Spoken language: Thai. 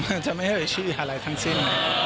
ผมอาจจะไม่ได้ชื่ออะไรทั้งสิ้น